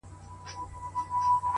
د رڼاگانو شيسمحل کي به دي ياده لرم!!